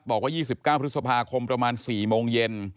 บอกว่า๒๙พฤษภาคมประมาณ๔โมงเย็น